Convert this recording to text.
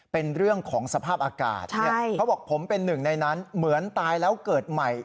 เป็นเรื่องของสภาพอากาศเขาบอกผมเป็นหนึ่งในนั้นเหมือนตายแล้วเกิดใหม่